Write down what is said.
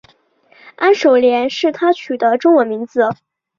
安守廉是他取的中文名字。